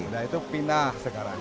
udah itu pinah sekarang